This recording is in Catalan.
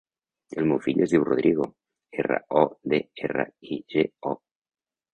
El meu fill es diu Rodrigo: erra, o, de, erra, i, ge, o.